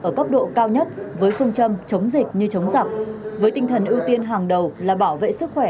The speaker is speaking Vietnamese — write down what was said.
ở cấp độ cao nhất với phương châm chống dịch như chống giặc với tinh thần ưu tiên hàng đầu là bảo vệ sức khỏe